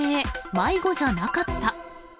迷子じゃなかった。